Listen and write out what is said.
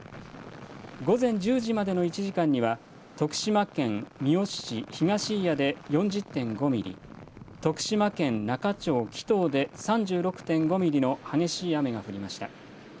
午前１０時までの１時間には、徳島県三好市東祖谷で４０．５ミリ、徳島県那賀町木頭で３６．５ミリの激しい雨が降りました。